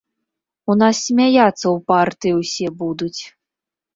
У нас смяяцца ў партыі ўсе будуць!